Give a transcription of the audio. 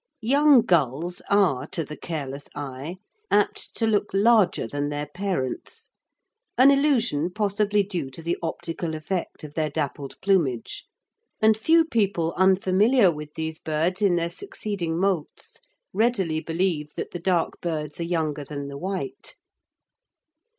Young gulls are, to the careless eye, apt to look larger than their parents, an illusion possibly due to the optical effect of their dappled plumage, and few people unfamiliar with these birds in their succeeding moults readily believe that the dark birds are younger than the white.